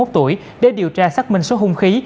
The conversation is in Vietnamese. bốn mươi một tuổi để điều tra xác minh số hung khí